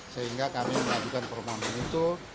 sehingga kami melakukan perumahan itu